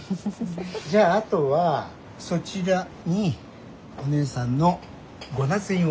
じゃああとはそちらにお姉さんのご捺印を。